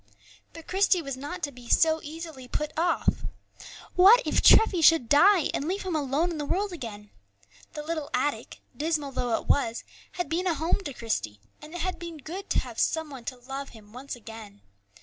But Christie was not to be so easily put off. What if Treffy should die, and leave him alone in the world again? The little attic, dismal though it was, had been a home to Christie, and it had been good to have some one to love him once again.